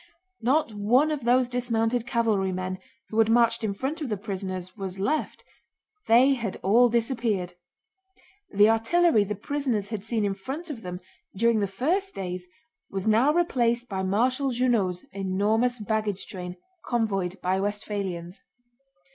Not one of those dismounted cavalrymen who had marched in front of the prisoners was left; they had all disappeared. The artillery the prisoners had seen in front of them during the first days was now replaced by Marshal Junot's enormous baggage train, convoyed by Westphalians.